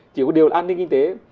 chỉ có điều là an ninh kinh tế